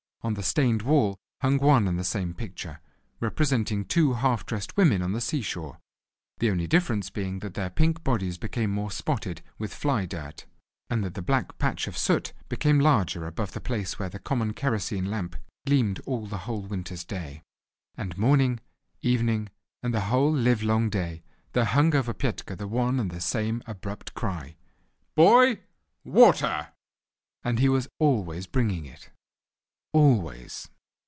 On the stained wall hung one and the same picture, representing two half dressed women on the sea shore, the only difference being that their pink bodies became more spotted with fly dirt, and that the black patch of soot became larger above the place where the common kerosene lamp gleamed all the whole winter's day. And morning, evening, and the whole livelong day, there hung over Petka the one and the same abrupt cry, "Boy, water!" and he was always bringing it—always.